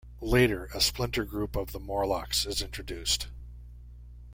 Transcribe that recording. Later, a splinter group of the Morlocks is introduced.